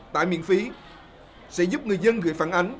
tại miễn phí sẽ giúp người dân gửi phản ánh